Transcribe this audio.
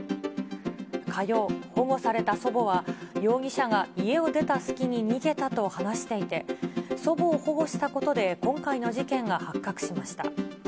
火曜、保護された祖母は、容疑者が家を出たすきに逃げたと話していて、祖母を保護したことで、今回の事件が発覚しました。